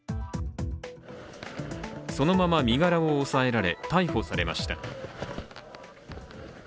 そのまま身柄を抑えられ、逮捕されました。